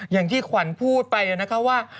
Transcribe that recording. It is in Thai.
อย่างที่ขวัญพูดไปนะคะว่า